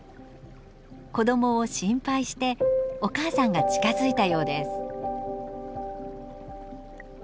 子どもを心配してお母さんが近づいたようです。